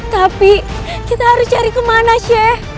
tapi kita harus cari ke mana sheikh